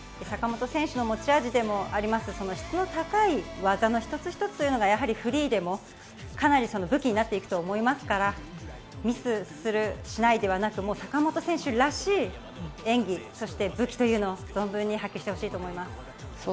坂本選手の持ち味でもある質の高い技の１つ１つがやはりフリーでも、かなり武器になっていくと思いますからミスする、しないではなく坂本選手らしい演技そして武器を存分に発揮してほしいと思います。